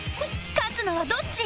勝つのはどっち？